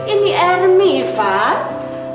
ini ermi ivan